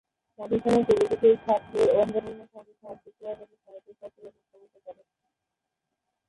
পাকিস্তানের প্রগতিশীল ছাত্র আন্দোলনের সঙ্গে সম্পৃক্ততা তাঁকে সাহিত্যচর্চায় অনুপ্রাণিত করে।